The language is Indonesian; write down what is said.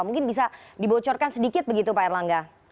mungkin bisa dibocorkan sedikit begitu pak erlangga